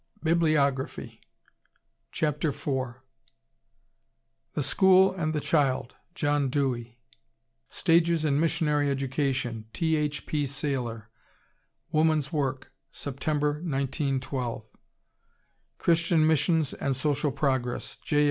BIBLIOGRAPHY. CHAPTER IV. The School and the Child, John Dewey. Stages in Missionary Education, T. H. P. Sailer, Woman's Work, Sept., 1912. Christian Missions and Social Progress, J.